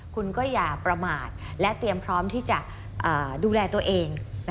คุณก็อย่าประมาทและเตรียมพร้อมที่จะดูแลตัวเอง